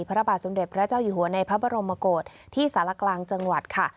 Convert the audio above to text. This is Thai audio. พระบาทสมเด็จพระเจ้าอยู่หัวในพระบรมโกศที่สารกลางจังหวัดค่ะ